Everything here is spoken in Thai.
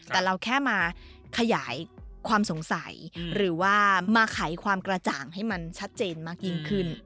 แต่เราแค่มาขยายความสงสัยหรือว่ามาไขความกระจ่างให้มันชัดเจนมากยิ่งขึ้น